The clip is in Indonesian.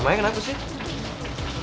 emangnya kena aku sih